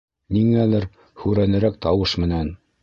Ниңәлер һүрәнерәк тауыш менән: